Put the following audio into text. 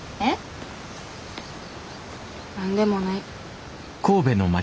何でもない。